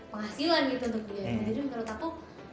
penghasilan gitu untuk dia jadi menurut aku